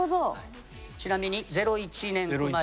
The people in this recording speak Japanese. ちなみに０１年生まれが？